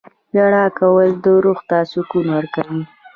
• ژړا کول روح ته سکون ورکوي.